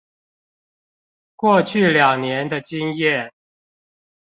過去兩年的經驗